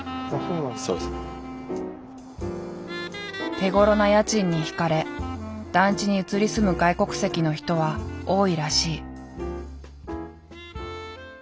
手ごろな家賃に引かれ団地に移り住む外国籍の人は多いらしい。